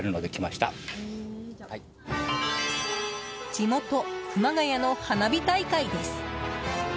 地元・熊谷の花火大会です。